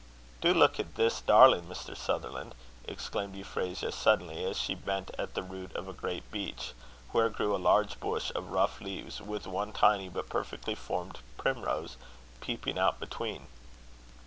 "Do look at this darling, Mr. Sutherland!" exclaimed Euphrasia suddenly, as she bent at the root of a great beech, where grew a large bush of rough leaves, with one tiny but perfectly formed primrose peeping out between.